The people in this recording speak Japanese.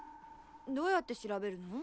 どうやって調べるの？